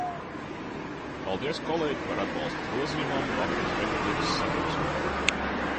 Paldies, kolēģi, par atbalstu grozījumam Latvijas Republikas Satversmē!